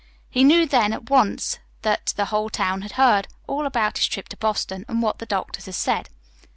He knew then at once that the whole town had heard all about his trip to Boston and what the doctors had said.